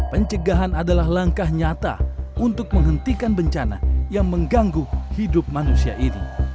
pencegahan adalah langkah nyata untuk menghentikan bencana yang mengganggu hidup manusia ini